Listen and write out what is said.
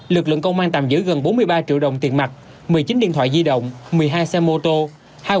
lực lượng công an tạm giữ gần bốn mươi ba triệu đồng tiền mặt một mươi chín điện thoại di động một mươi hai xe mô tô